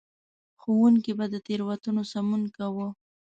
ښوونکي به د تېروتنو سمون کاوه.